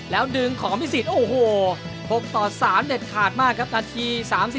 แล้วดึงของอภิษฎโอ้โห๖ต่อ๓เด็ดขาดมากครับนาที๓๔